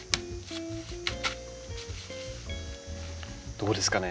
どうですかね？